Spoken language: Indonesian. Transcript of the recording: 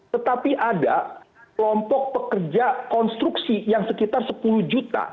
tetapi ada kelompok pekerja konstruksi yang sekitar sepuluh juta